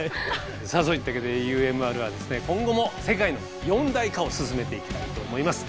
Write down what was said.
さあそういったわけでＵＭＲはですね今後も世界の四大化を進めていきたいと思います。